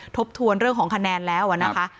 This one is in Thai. ทบทวนเรื่องของคะแนนแล้วนะคะ